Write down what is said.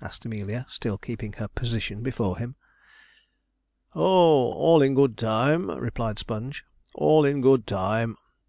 asked Amelia, still keeping her position before him. 'Oh! all in good time,' replied Sponge, 'all in good time.